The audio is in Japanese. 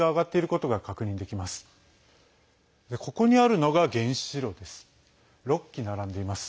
ここにあるのが原子炉です。